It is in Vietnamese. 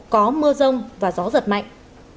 có mưa rông và gió giật mạnh